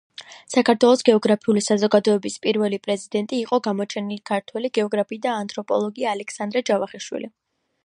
საქართველოს გეოგრაფიული საზოგადოების პირველი პრეზიდენტი იყო გამოჩენილი ქართველი გეოგრაფი და ანთროპოლოგი ალექსანდრე ჯავახიშვილი.